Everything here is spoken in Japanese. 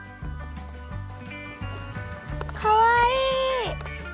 かわいい。